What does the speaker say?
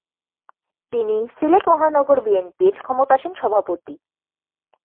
তিনি সিলেট মহানগর বিএনপির ক্ষমতাসীন সভাপতি।